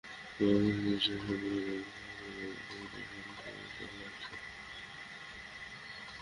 বটগাছটির ইতিহাস সম্পর্কে জানেন, এমন কয়েকজনকে সেখানে দাঁড়িয়ে কাঁদতেও দেখা গেছে।